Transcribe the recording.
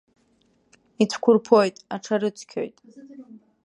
Ицәқәырԥоит, аҽарыцқьоит.